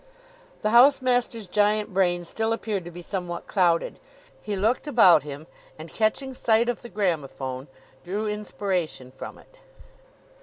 The house master's giant brain still appeared to be somewhat clouded. He looked about him, and, catching sight of the gramophone, drew inspiration from it.